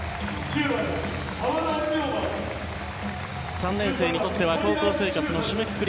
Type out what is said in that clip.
３年生にとっては高校生活の締めくくり。